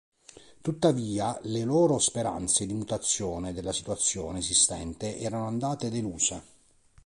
Tuttavia le loro speranze di mutazione della situazione esistente erano andate deluse.